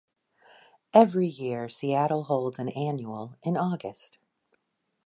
Every year, Seattle holds an annual in August.